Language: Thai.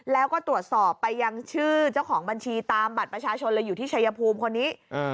แล้วก็ตรวจสอบไปยังชื่อเจ้าของบัญชีตามบัตรประชาชนเลยอยู่ที่ชายภูมิคนนี้